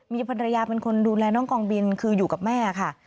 มีภรรยาเป็นคนดูแลน้องกองบินคืออยู่กับแม่ค่ะ